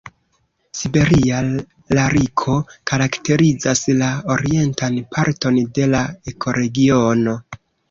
Siberia lariko karakterizas la orientan parton de la ekoregiono.